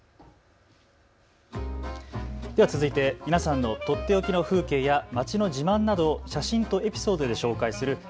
では続いて皆さんのとっておきの風景や街の自慢などを写真とエピソードで紹介する＃